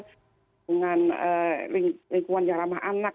dengan lingkungan yang ramah anak